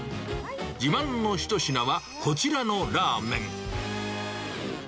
自慢の一品は、こちらのラーメン。